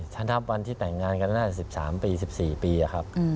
ฉันนับวันที่แต่งงานกันน่าจะ๑๓ปี๑๔ปีครับ